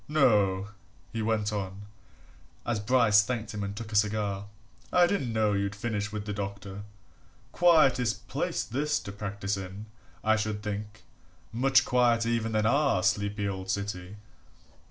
No," he went on, as Bryce thanked him and took a cigar, "I didn't know you'd finished with the doctor. Quietish place this to practise in, I should think much quieter even than our sleepy old city."